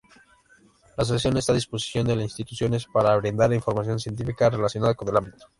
La Asociación está disposición del instituciones para brindar información científica relacionada con el ámbito.